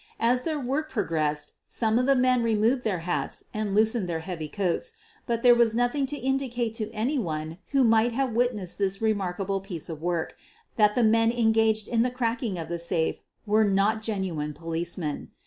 As their work progressed, some of the men removed their hats and loosened their heavy coats, but there SOON AFTER MIDNIGHT A STRANGE SCENE WAS ENACTED was nothing to indicate to anyone who might have witnessed this remarkable piece of work that the men engaged in the cracking of the safe were not genuine policemen.